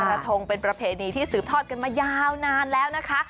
ทงเป็นประเพณีที่สืบทอดกันมายาวนานแล้วนะคะ